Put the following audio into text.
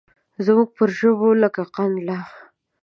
زموږ پر ژبو لکه قند لا